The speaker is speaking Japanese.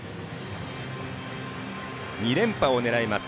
２連覇を狙います